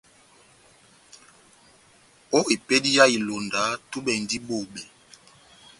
Ó epédi yá ilonda, túbɛ endi bobé.